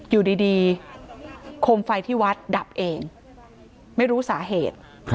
อยู่ดีคมไฟที่วัดดับเองไม่รู้สาเหตุ